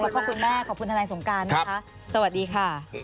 แล้วก็คุณแม่ขอบคุณทนายสงการนะคะสวัสดีค่ะ